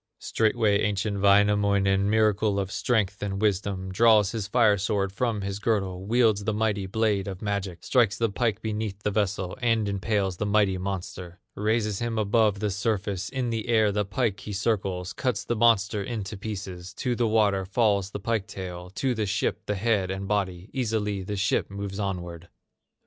Straightway ancient Wainamoinen, Miracle of strength and wisdom, Draws his fire sword from his girdle, Wields the mighty blade of magic, Strikes the waters as the lightning, Strikes the pike beneath the vessel, And impales the mighty monster; Raises him above the surface, In the air the pike he circles, Cuts the monster into pieces; To the water falls the pike tail, To the ship the head and body; Easily the ship moves onward.